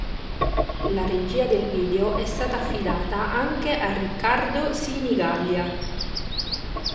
La regia del video è stata affidata anche a Riccardo Sinigallia.